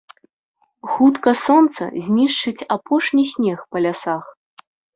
Хутка сонца знішчыць апошні снег па лясах.